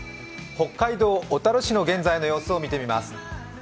北海道小樽市の現在の様子を見てみます。